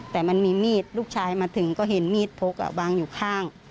แต่มันมีมีดลูกชายมาถึงก็เห็นมีดพกวางอยู่ข้าง